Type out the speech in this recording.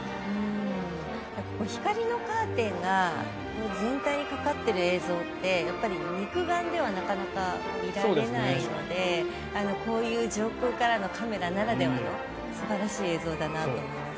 光のカーテンが全体にかかってる映像って肉眼ではなかなか見られないのでこういう上空からのカメラならではの素晴らしい映像だなと思います。